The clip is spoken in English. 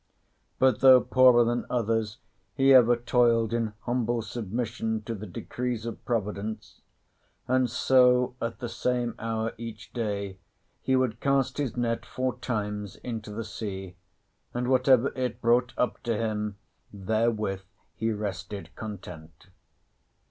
But though poorer than others he ever toiled in humble submission to the decrees of Providence, and so, at the same hour each day, he would cast his net four times into the sea, and whatever it brought up to him therewith he rested content.